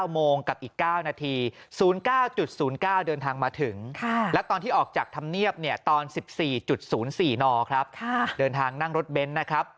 กับอีก๙นาที๐๙๐๙เดินทางมาถึงและตอนที่ออกจากธรรมเนียบเนี่ยตอน๑๔๐๔นครับเดินทางนั่งรถเบนท์นะครับ